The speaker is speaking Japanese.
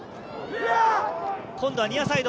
今度はニアサイド。